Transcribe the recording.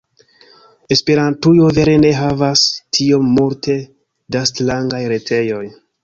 Esperantujo vere ne havas tiom multe da strangaj retejoj.